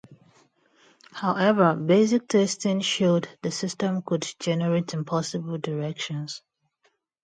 However, basic testing showed the system could generate impossible directions.